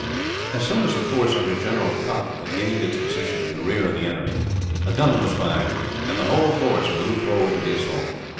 As soon as the force under General Cotton had gained its position in the rear of the enemy, a gun was fired, and the whole force moved forward to the assault..